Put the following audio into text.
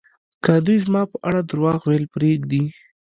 که دوی زما په اړه درواغ ویل پرېږدي